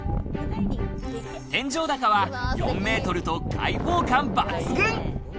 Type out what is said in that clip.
天井高は４メートルと開放感抜群！